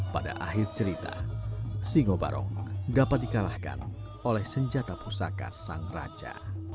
pada akhir cerita singo barong dapat dikalahkan oleh senjata pusaka sang raja